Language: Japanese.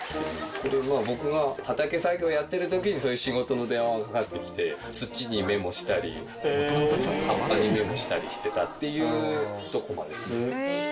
これは僕が畑作業やってる時にそういう仕事の電話がかかってきて土にメモしたり葉っぱにメモしたりしてたっていう一コマです。